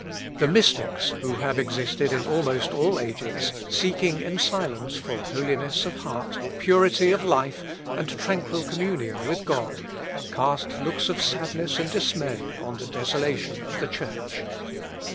The Mystics, who have existed in almost all ages, seeking in silence for holiness of heart, purity of life, and tranquil communion with God, cast looks of sadness and dismay on the desolation of the Church.